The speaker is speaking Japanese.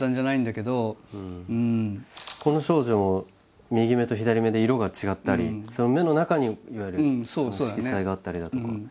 この少女も右目と左目で色が違ったり目の中にいわゆる色彩があったりだとか。